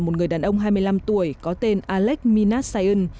một người đàn ông hai mươi năm tuổi có tên alex minasian